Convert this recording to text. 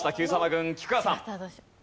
軍菊川さん。